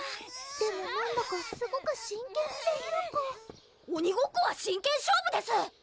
でもなんだかすごく真剣っていうか鬼ごっこは真剣勝負です！